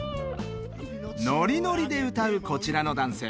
ノリノリで歌うこちらの男性